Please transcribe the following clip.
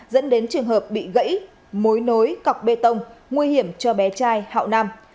dẫn đến trường hợp bị gãy mối nối cọc bê tông nguy hiểm cho bé trai hạo nam